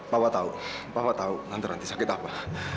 papa tahu papa tahu tante ranti sakit apa